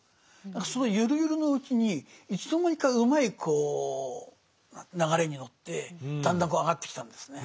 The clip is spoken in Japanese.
そのゆるゆるのうちにいつの間にかうまいこう流れに乗ってだんだんこう上がってきたんですね。